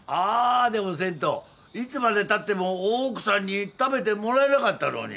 でもせんといつまでたっても大奥さんに食べてもらえなかったろうに。